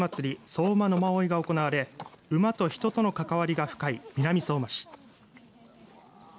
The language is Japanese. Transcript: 相馬野馬追が行われ馬と人との関わりが深い南相馬市。